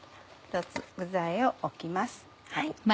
１つ具材を置きます。